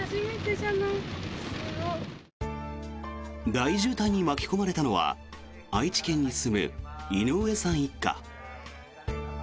大渋滞に巻き込まれたのは愛知県に住む井上さん一家。